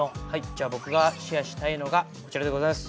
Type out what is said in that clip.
じゃあ僕がシェアしたいのがこちらでございます。